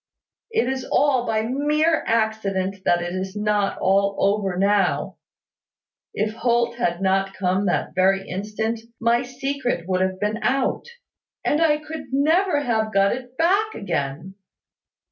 It is all by mere accident that it is not all over now. If Holt had not come that very instant, my secret would have been out, and I could never have got it back again!